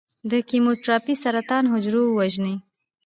د کیموتراپي سرطان حجرو وژني.